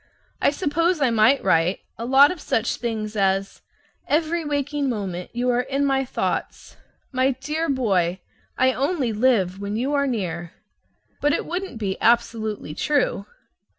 I suppose I might write a lot of such things as: "Every waking moment you are in my thoughts." "My dear boy, I only live when you are near." But it wouldn't be absolutely true.